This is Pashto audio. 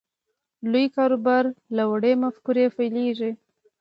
لوی کاروبار له وړې مفکورې پیلېږي